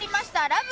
『ラブ！！